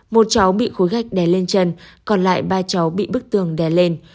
một cháu bị khối gạch đè lên chân còn lại ba cháu bị bức tường đè lên